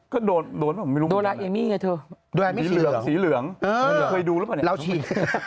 ก็โดนโดราเอมี่ไงเถอะโดราเอมี่สีเหลืองสีเหลืองเคยดูหรือเปล่าเนี่ยเราฉีด